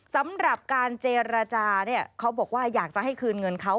สำหรับการเจรจาเนี่ยเขาบอกว่าอยากจะให้คืนเงินเขา